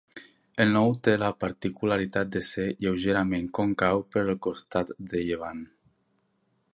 El nou té la particularitat de ser lleugerament còncau pel costat de llevant.